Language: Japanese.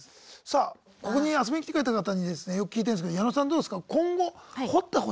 さあここに遊びに来てくれた方にですねよく聞いてるんですけど矢野さんどうですか今後掘ってほしいテーマの人とかいます？